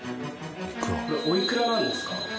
これおいくらなんですか？